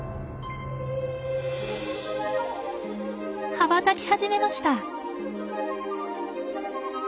羽ばたき始めました。